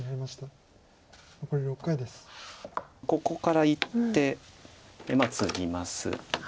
ここからいってツギます。